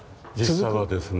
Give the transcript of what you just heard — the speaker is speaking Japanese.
実際はですね